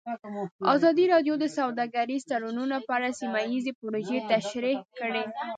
ازادي راډیو د سوداګریز تړونونه په اړه سیمه ییزې پروژې تشریح کړې.